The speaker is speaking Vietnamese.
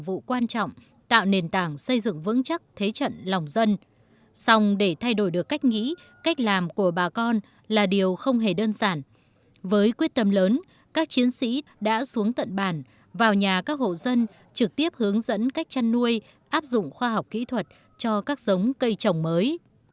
với quyết tâm lớn các chiến sĩ đã xuống tận bàn vào nhà các hộ dân trực tiếp hướng dẫn cách chăn nuôi áp dụng khoa học kỹ thuật cho các giống cây trồng mới